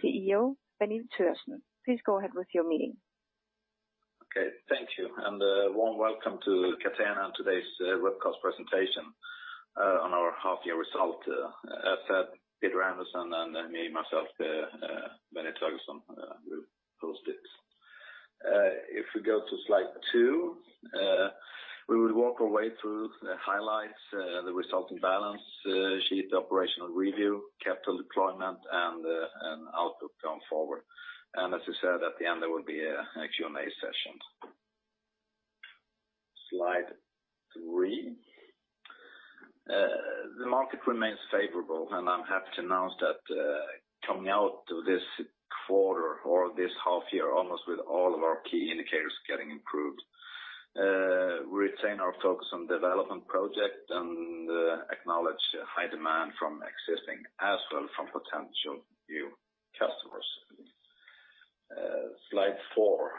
CEO, Benny Thögersen. Please go ahead with your meeting. Okay, thank you, and warm welcome to Catena and today's webcast presentation on our half year result. As said, Peter Andersson, and then me, myself, Benny Thögersen, will host it. If we go to slide two, we will walk our way through the highlights, the resulting balance sheet operational review, capital deployment, and output going forward. And as I said, at the end, there will be a Q&A session. Slide three. The market remains favorable, and I'm happy to announce that coming out of this quarter or this half year, almost with all of our key indicators getting improved. We retain our focus on development project and acknowledge high demand from existing as well, from potential new customers. Slide four,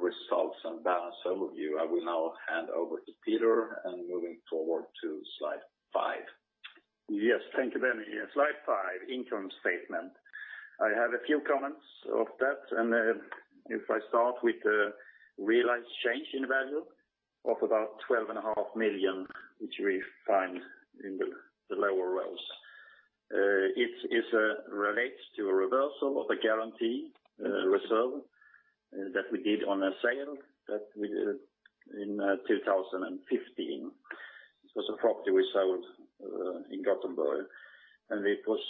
results and balance overview. I will now hand over to Peter, and moving forward to slide five. Yes, thank you, Benny. Slide five, income statement. I have a few comments of that, and if I start with the realized change in value of about 12.5 million, which we find in the lower rows. It relates to a reversal of a guarantee reserve that we did on a sale that we did in 2015. It was a property we sold in Gothenburg, and it was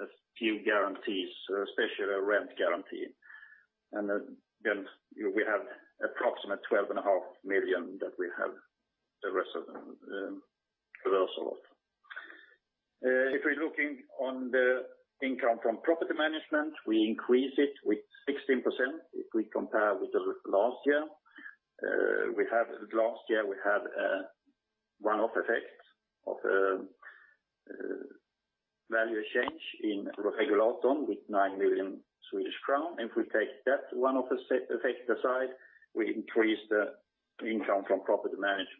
a few guarantees, especially a rent guarantee. And then we have approximate 12.5 million that we have the rest of reversal of. If we're looking on the income from property management, we increase it with 16% if we compare with the last year. Last year, we had one-off effect of value change in Böckeberget with 9 million Swedish crown. If we take that one-off effect aside, we increase the income from property management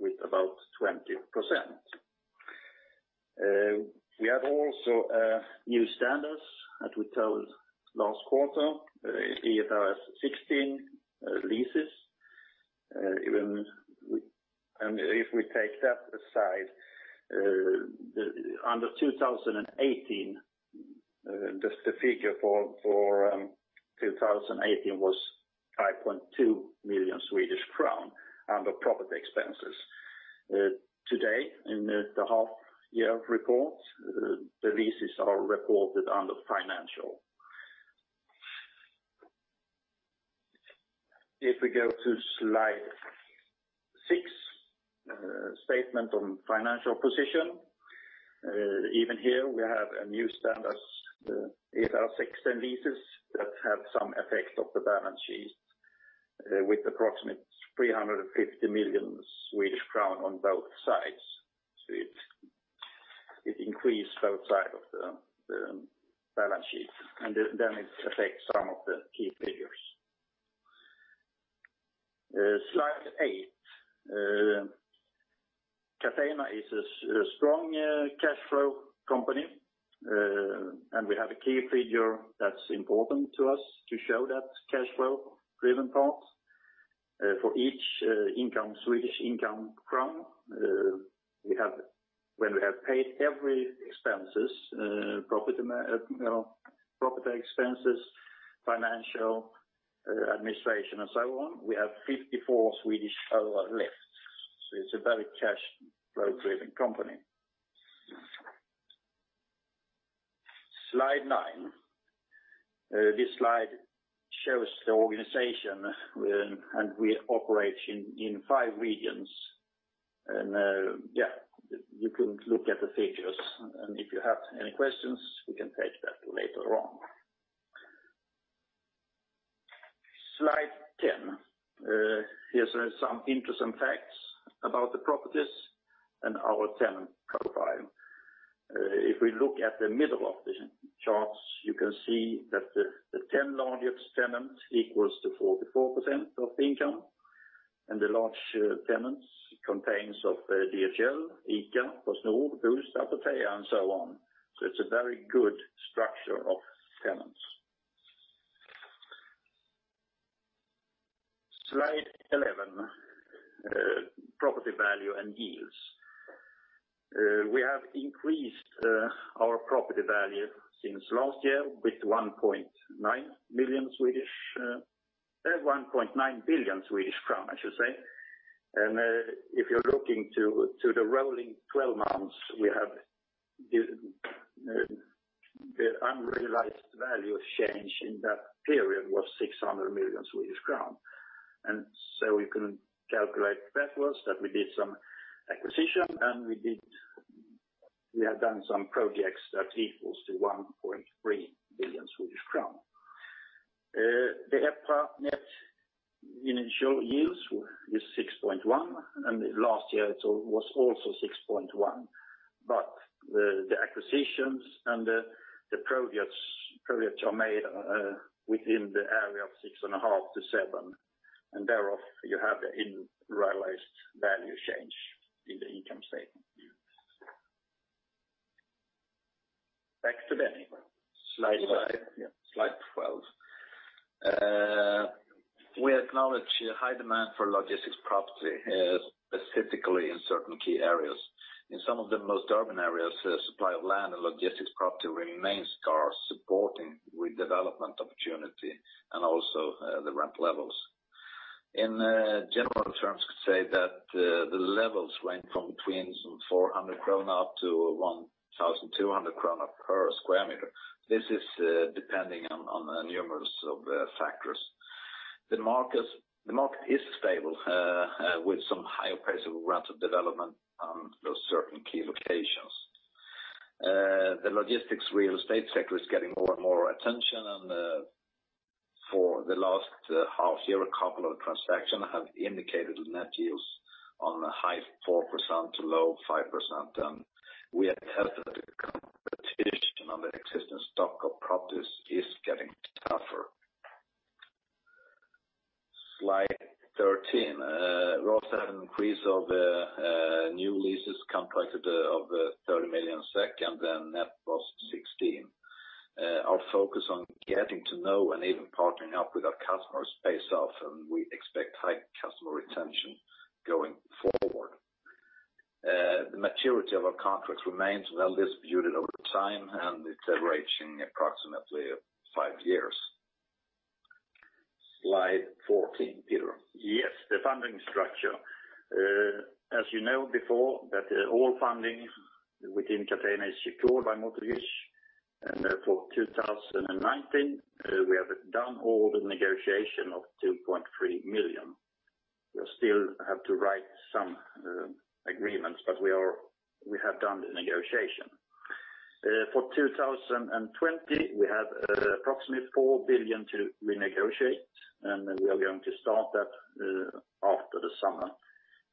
with about 20%. We have also new standards that we told last quarter, IFRS 16, leases, even we and if we take that aside, the under 2018, just the figure for 2018 was 5.2 million Swedish crown under property expenses. Today, in the half year report, the leases are reported under financial. If we go to slide six, statement on financial position, even here we have a new standards, IFRS 16 leases, that have some effect of the balance sheet, with approximate 350 million Swedish crown on both sides. So it, it increased outside of the, the balance sheet, and then it affects some of the key figures. Slide eight. Catena is a, a strong, cash flow company, and we have a key figure that's important to us to show that cash flow-driven part. For each, income, Swedish income crown, we have- when we have paid every expenses, property ma-, you know, property expenses, financial, administration, and so on, we have 54 left. So it's a very cash flow-driven company. Slide nine. This slide shows the organization, and we operate in five regions, and yeah, you can look at the figures, and if you have any questions, we can take that later on. Slide 10. Here's some interesting facts about the properties and our tenant profile. If we look at the middle of the charts, you can see that the 10 largest tenants equals to 44% of the income, and the large tenants contains of DHL, ICA, PostNord, Apotea, and so on. So it's a very good structure of tenants. Slide 11, property value and yields. We have increased our property value since last year with 1.9 million... 1.9 billion Swedish crown, I should say. And if you're looking to the rolling twelve months, we have the unrealized value change in that period was 600 million Swedish crown. And so we can calculate backwards that we did some acquisition, and we have done some projects that equals to 1.3 billion Swedish crown. The EPRA net initial yield is 6.1%, and last year it was also 6.1%. But the acquisitions and the projects are made within the area of 6.5%-7%. And thereof, you have the unrealized value change in the income statement. Back to Benny. Slide five, yeah, slide twelve. We acknowledge a high demand for logistics property, specifically in certain key areas. In some of the most urban areas, supply of land and logistics property remains scarce, supporting redevelopment opportunity and also, the rent levels. In, general terms, could say that, the levels range from between 400 krona to 1,200 krona per square meter. This is, depending on, on the number of, factors. The market is stable, with some higher price of rent development on those certain key locations. The logistics real estate sector is getting more and more attention, and, for the last half year, a couple of transaction have indicated net yields on a high 4% to low 5%, and we have tested the competition on the existing stock of properties is getting tougher. Slide 13. We also have an increase of new leases contracted of 30 million SEK, and then net was 16 million. Our focus on getting to know and even partnering up with our customers pays off, and we expect high customer retention going forward. The maturity of our contracts remains well distributed over time, and it's ranging approximately five years. Slide 14, Peter. Yes, the funding structure. As you know before, that all funding within Catena is secured by mortgages. And, for 2019, we have done all the negotiation of 2.3 million. We still have to write some agreements, but we have done the negotiation. For 2020, we have approximately 4 billion to renegotiate, and then we are going to start that after the summer.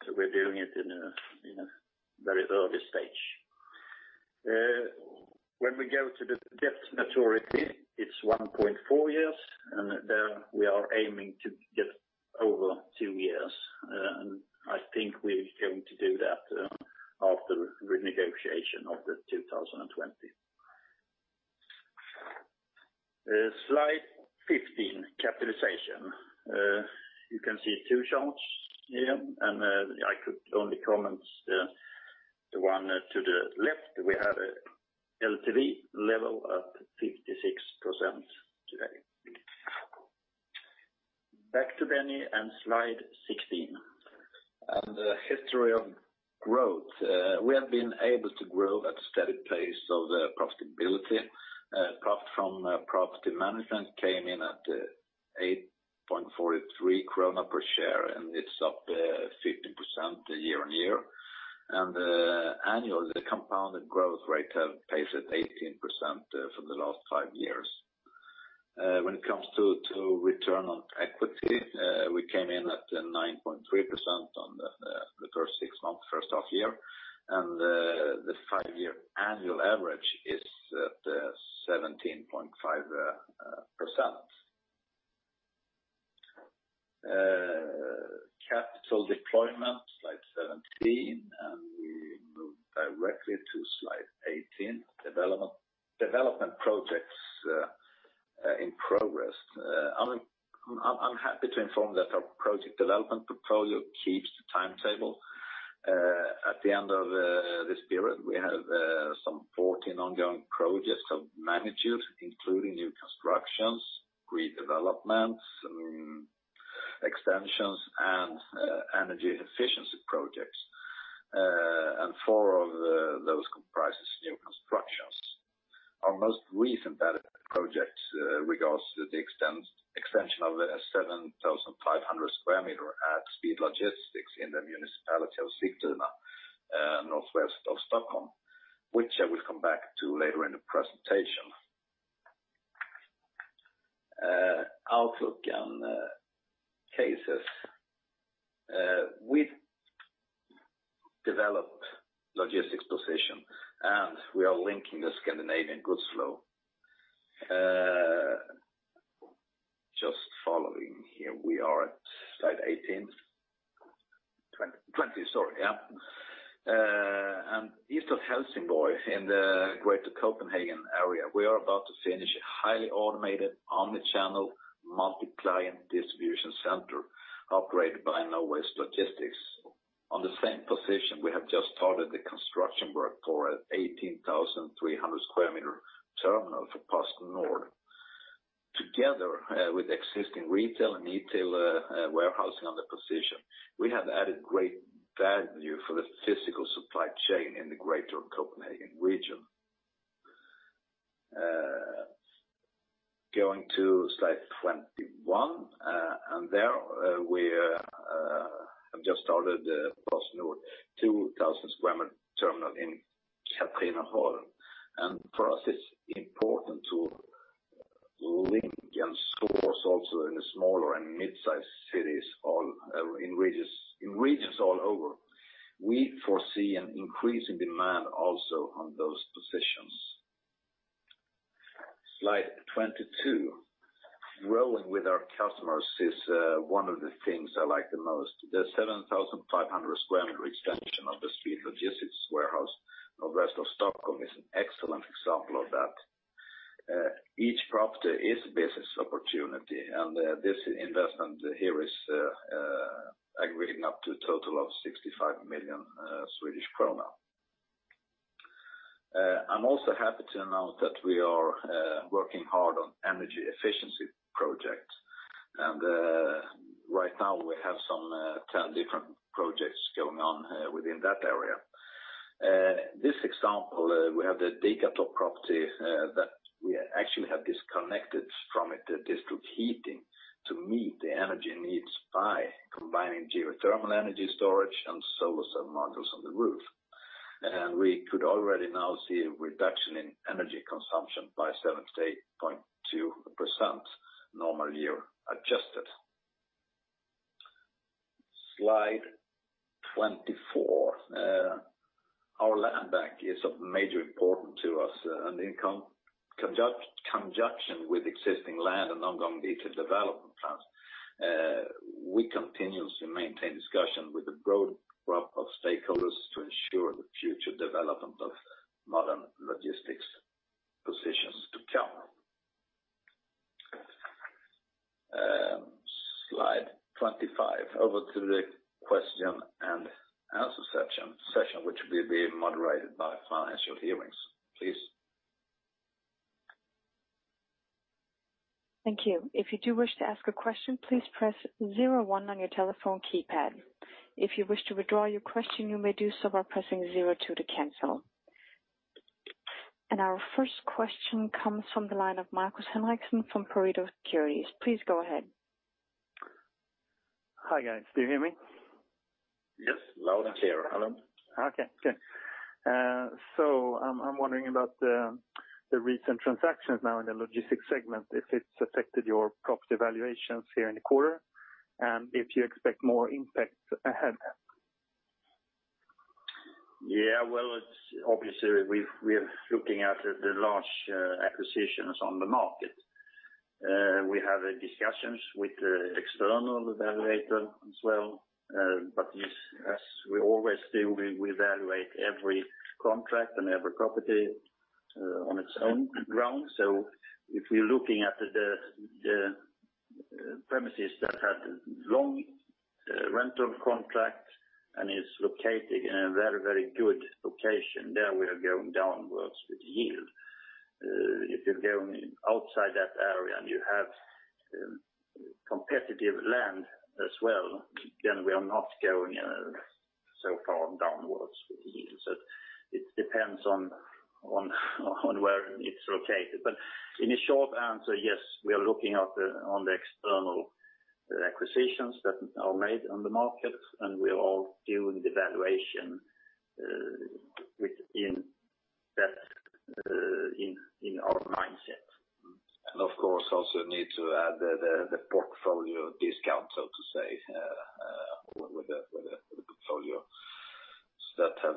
So we're doing it in a very early stage. When we go to the debt maturity, it's 1.4 years, and then we are aiming to get over 2 years. And I think we're going to do that after renegotiation of the 2020. Slide 15, capitalization. You can see two charts here, and I could only comment the one to the left. We have a LTV level of 56% today. Back to Benny and slide 16. The history of growth. We have been able to grow at a steady pace of the profitability. Profit from property management came in at 8.43 krona per share, and it's up 15% year-on-year. Annually, the compounded growth rate have paced at 18% for the last five years. When it comes to return on equity, we came in at 9.3% on the first six months, first half year, and the five-year annual average is at 17.5%. Capital deployment, slide 17, and we move directly to slide 18, development projects in progress. I'm happy to inform that our project development portfolio keeps the timetable. At the end of this period, we have some 14 ongoing projects of magnitude, including new constructions, redevelopments, extensions, and energy efficiency projects. And four of those comprises new constructions. Our most recent project regards to the extension of a 7,500 square meter at Speed Logistics in the municipality of Sigtuna, northwest of Stockholm, which I will come back to later in the presentation. Outlook and cases. We've developed logistics position, and we are linking the Scandinavian goods flow. Just following here, we are at slide 18. 20, sorry, yeah. And east of Helsingborg, in the Greater Copenhagen area, we are about to finish a highly automated, omni-channel, multi-client distribution center operated by Nowaste Logistics. On the same position, we have just started the construction work for an 18,300 square meter terminal for PostNord. Together with existing retail and e-tail warehousing on the position, we have added great value for the physical supply chain in the Greater Copenhagen region. Going to slide 21, and there we have just started PostNord 2,000 square meter terminal in Katrineholm. For us, it's important to link and source also in the smaller and mid-sized cities, all in regions in regions all over. We foresee an increase in demand also on those positions. Slide 22. Growing with our customers is one of the things I like the most. The 7,500 square meter extension of the Speed Logistics warehouse in Rosersberg Stockholm is an excellent example of that. Each property is a business opportunity, and this investment here is agreeing up to a total of 65 million Swedish krona. I'm also happy to announce that we are working hard on energy efficiency projects, and right now we have some 10 different projects going on within that area. This example, we have the Dikartorp property that we actually have disconnected from it, the district heating, to meet the energy needs by combining geothermal energy storage and solar cell modules on the roof. We could already now see a reduction in energy consumption by 78.2%, normal year adjusted. Slide 24. Our land bank is of major importance to us, and in conjunction with existing land and ongoing development plans, we continuously maintain discussion with a broad group of stakeholders to ensure the future development of modern logistics positions to come. Slide 25. Over to the question and answer section, which will be moderated by financial analysts. Please. Thank you. If you do wish to ask a question, please press zero one on your telephone keypad. If you wish to withdraw your question, you may do so by pressing zero two to cancel. Our first question comes from the line of Markus Henriksson from Pareto Securities. Please go ahead. Hi, guys. Do you hear me? Yes, loud and clear. Hello. Okay, good. I'm wondering about the recent transactions now in the logistics segment, if it's affected your property valuations here in the quarter, and if you expect more impact ahead? Yeah, well, it's obviously we've—we are looking at the large acquisitions on the market. We have discussions with the external evaluator as well, but as we always do, we evaluate every contract and every property on its own ground. So if we're looking at the premises that have long rental contract and is located in a very, very good location, then we are going downwards with yield. If you're going outside that area and you have competitive land as well, then we are not going so far downwards with yields. So it depends on where it's located. But in a short answer, yes, we are looking at the external acquisitions that are made on the market, and we're all doing the valuation within that in our mindset. Of course, also need to add the portfolio discount, so to say, with the portfolio that has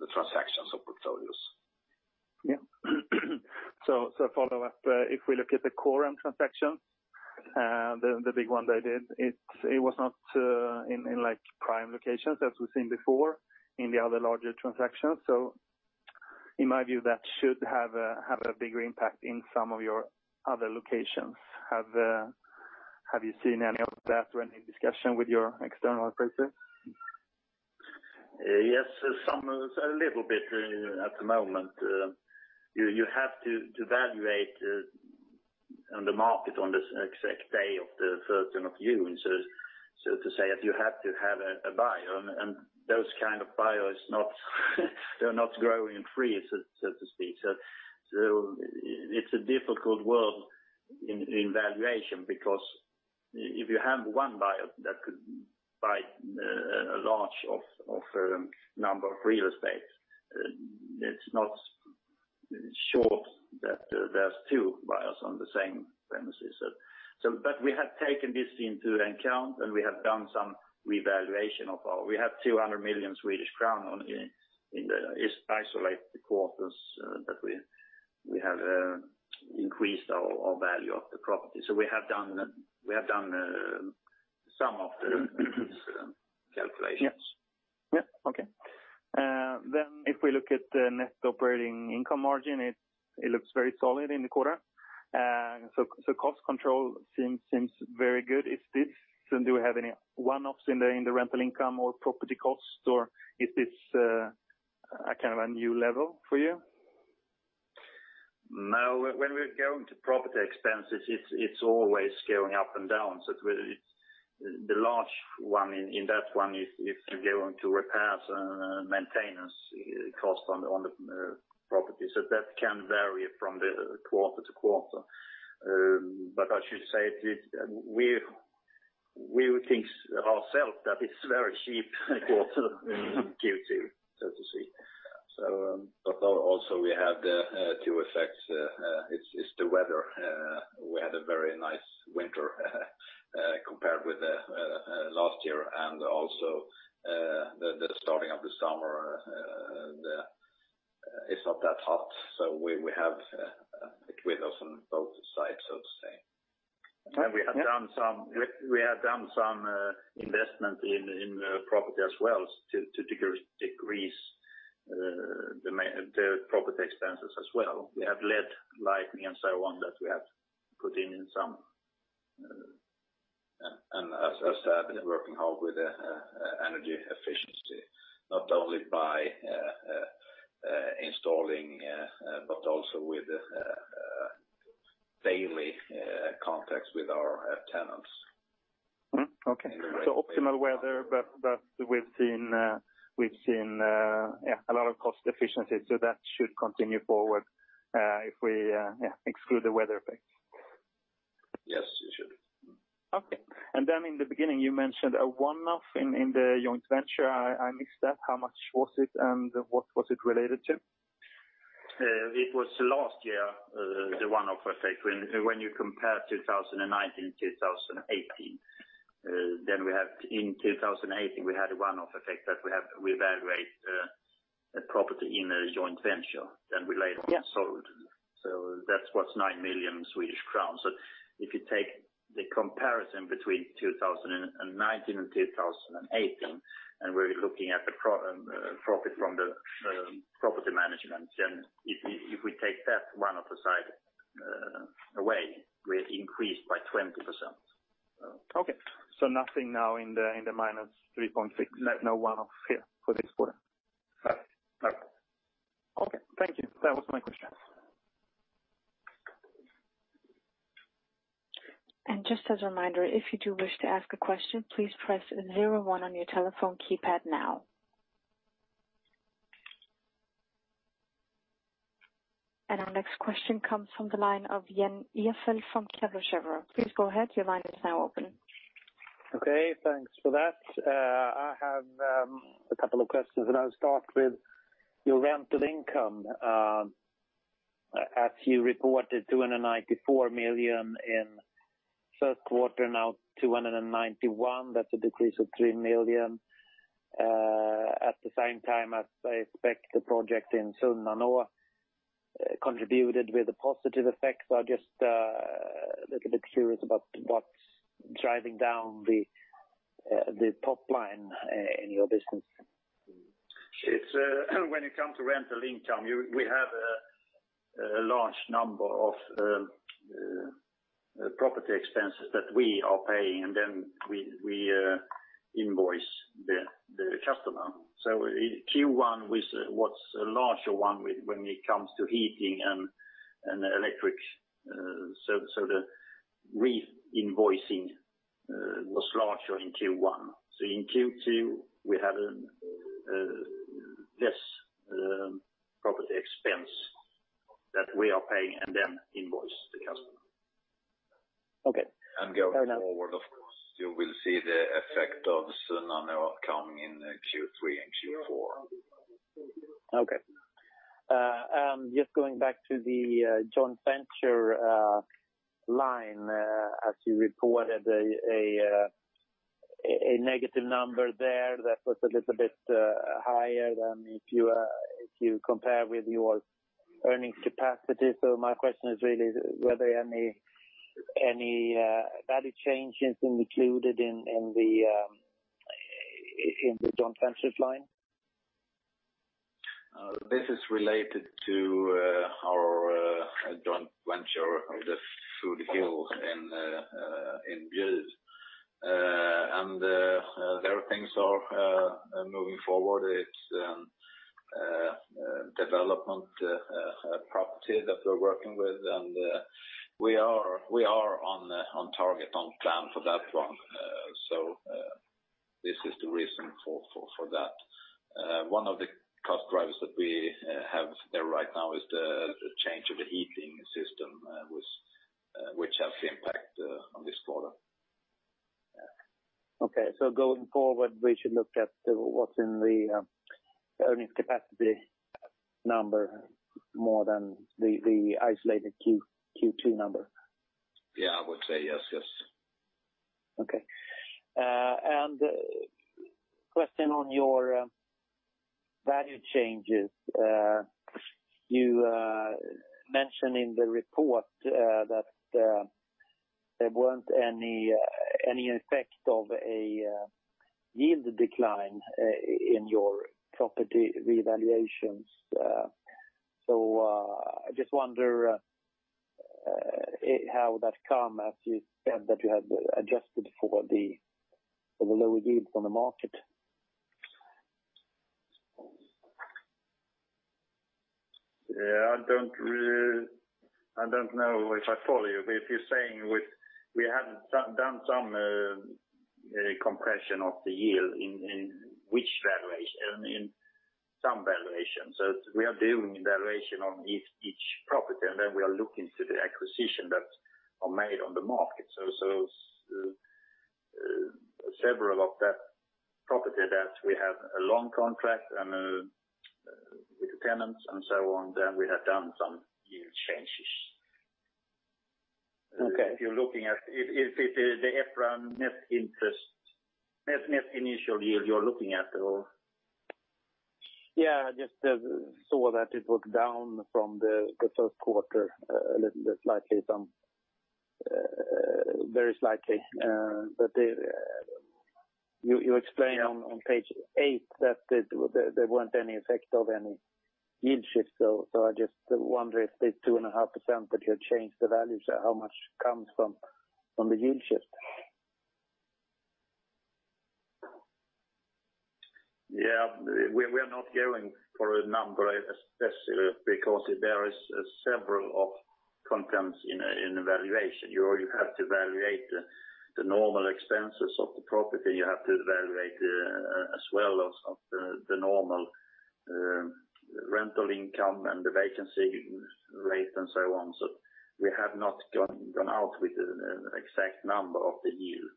the transactions of portfolios. Yeah. So, follow up, if we look at the Corum transaction, the big one they did, it was not in like prime locations as we've seen before in the other larger transactions. So in my view, that should have a bigger impact in some of your other locations. Have you seen any of that or any discussion with your external appraiser? Yes, some, a little bit at the moment. You have to evaluate on the market on the exact day of the 13th of June. So to say, if you have to have a buyer, and those kind of buyers, not, they're not growing free, so to speak. So it's a difficult world in valuation, because if you have one buyer that could buy a large number of real estates, it's not sure that there's two buyers on the same premises. So, but we have taken this into account, and we have done some revaluation of our—we have 200 million Swedish crown only in the is isolate the quarters, but we have increased our value of the property. So we have done some of the calculations. Yeah. Yeah. Okay. Then if we look at the net operating income margin, it looks very solid in the quarter. So cost control seems very good. Is this, do we have any one-offs in the rental income or property costs, or is this a kind of new level for you? No, when we're going to property expenses, it's always going up and down. So it's the large one in that one is to go on to repairs and maintenance cost on the property. So that can vary from the quarter to quarter. But I should say, we would think ourself that it's very cheap quarter, Q2, so to speak. So, But also we have the two effects, it's the weather. We had a very nice winter compared with the last year, and also the starting of the summer, it's not that hot. So we have it with us on both sides, so to say. We have done some investment in the property as well, to decrease the property expenses as well. We have LED lighting and so on, that we have put in in some, and as I've been working hard with the energy efficiency, not only by installing, but also with daily contacts with our tenants. Mm. Okay. So optimal weather, but we've seen a lot of cost efficiency. So that should continue forward if we exclude the weather effect. Yes, it should. Okay. And then in the beginning, you mentioned a one-off in the joint venture. I missed that. How much was it, and what was it related to? It was last year, the one-off effect. When you compare 2019 to 2018, then we have—in 2018, we had a one-off effect that we have reevaluate, a property in a joint venture, then we later on sold. Yeah. So that's 9 million Swedish crowns. So if you take the comparison between 2019 and 2018, and we're looking at the pro, profit from the, property management, then if we, if we take that one-off aside, away, we're increased by 20%. Okay. So nothing now in the, in the 3.6, no one-off here for this quarter? No. No. Okay. Thank you. That was my questions. Just as a reminder, if you do wish to ask a question, please press zero-one on your telephone keypad now. Our next question comes from the line of Jan Ihrfelt from Kepler Cheuvreux. Please go ahead, your line is now open. Okay, thanks for that. I have a couple of questions, and I'll start with your rental income. As you reported, 294 million in first quarter, now 291 million, that's a decrease of 3 million. At the same time, as I expect, the project in Sunnanå contributed with a positive effect. So just a little bit curious about what's driving down the top line in your business. It's when it comes to rental income, we have a large number of property expenses that we are paying, and then we invoice the customer. So in Q1, was a larger one when it comes to heating and electric, so the reinvoicing was larger in Q1. So in Q2, we have less property expense that we are paying and then invoice the customer. Okay. Going forward, of course, you will see the effect of Sunnanå coming in Q3 and Q4. Okay. Just going back to the joint venture line, as you reported a negative number there, that was a little bit higher than if you compare with your earnings capacity. So my question is really whether any value change has been included in the joint venture line? This is related to our joint venture on the Foodhills in Bjuv. There, things are moving forward. It's development property that we're working with, and we are on target, on plan for that one. This is the reason for that. One of the cost drivers that we have there right now is the change of the heating system, which has the impact on this quarter. Okay. So going forward, we should look at what's in the earnings capacity number more than the isolated Q2 number? Yeah, I would say yes, yes. Okay. And question on your value changes. You mentioned in the report that there weren't any effect of a yield decline in your property revaluations. So, I just wonder how that come, as you said, that you had adjusted for the lower yields on the market? Yeah, I don't know if I follow you. But if you're saying with-- we have done some compression of the yield in which valuation? In some valuations. So we are doing a valuation on each property, and then we are looking to the acquisition that are made on the market. So several of that property that we have a long contract and with the tenants and so on, then we have done some yield changes. Okay. If you're looking at, if it is the EPRA net initial yield you're looking at or? Yeah, just saw that it was down from the first quarter a little bit, slightly, some very slightly. But you explain on page 8 that there weren't any effect of any yield shift. So I just wonder if the 2.5% that you changed the values, how much comes from the yield shift? Yeah. We are not going for a number, especially because there is several of contents in a, in a valuation. You already have to valuate the normal expenses of the property, you have to valuate as well as of the normal rental income and the vacancy rate and so on. So we have not gone out with the exact number of the yield.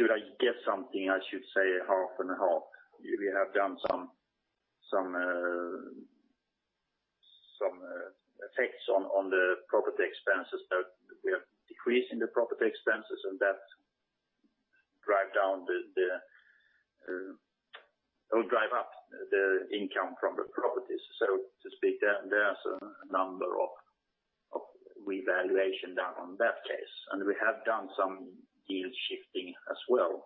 Should I guess something, I should say half and half. We have done some effects on the property expenses, but we are decreasing the property expenses, and that drive down the or drive up the income from the properties. So to speak, there's a number of revaluation down on that case, and we have done some yield shifting as well.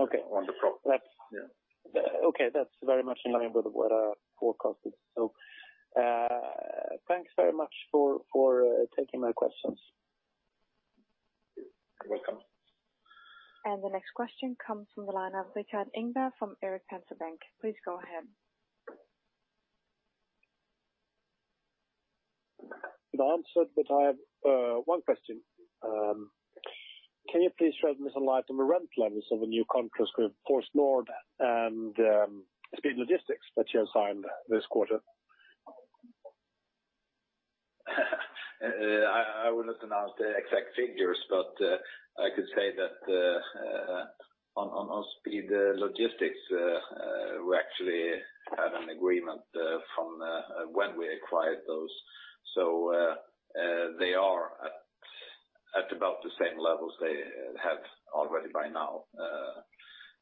Okay. On the property. That's- Yeah. Okay. That's very much in line with what our forecast is. So, thanks very much for taking my questions. You're welcome. The next question comes from the line of Rikard Engberg from Erik Penser Bank. Please go ahead. The answer, but I have one question. Can you please shed some light on the rent levels of the new contracts with PostNord and Speed Logistics that you have signed this quarter? I would not announce the exact figures, but I could say that on Speed Logistics we actually had an agreement from when we acquired those. So they are at about the same levels they have already by now.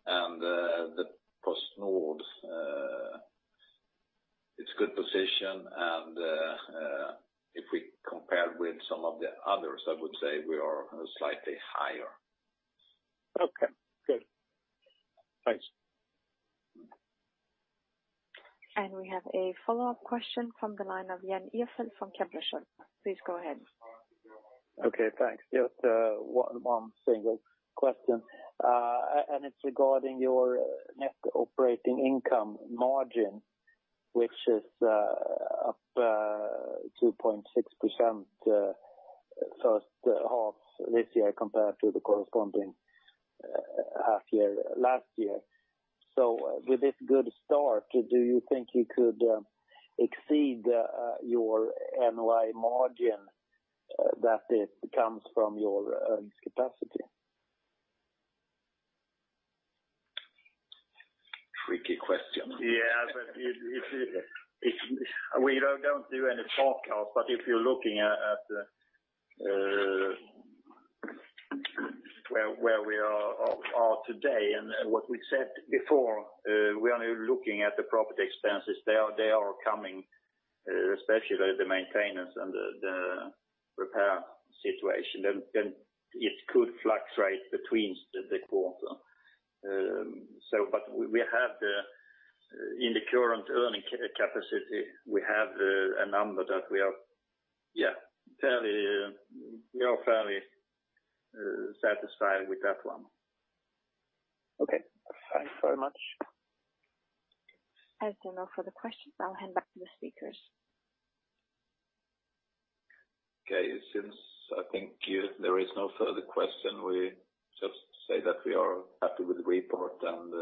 And the PostNord, it's good position and if we compare with some of the others, I would say we are slightly higher. Okay, good. Thanks. We have a follow-up question from the line of Jan Ihrfelt from Kepler Cheuvreux. Please go ahead. Okay, thanks. Just one single question. It's regarding your net operating income margin, which is up 2.6% first half this year compared to the corresponding half year last year. So with this good start, do you think you could exceed your NOI margin that it comes from your earnings capacity? Tricky question. Yeah, but if it... We don't do any forecast, but if you're looking at where we are today and what we said before, we are only looking at the property expenses. They are coming, especially the maintenance and the repair situation, then it could fluctuate between the quarter. So but we have the, in the current earnings capacity, we have a number that we are fairly satisfied with that one. Okay. Thanks very much. As there are no further questions, I'll hand back to the speakers. Okay. Since I think you there is no further question, we just say that we are happy with the report, and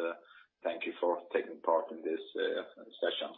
thank you for taking part in this session.